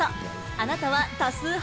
あなたは多数派？